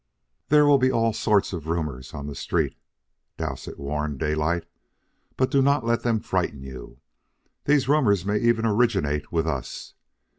"There will be all sorts of rumors on the street," Dowsett warned Daylight, "but do not let them frighten you. These rumors may even originate with us.